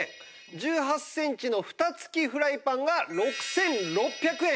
１８センチの蓋付きフライパンが６６００円。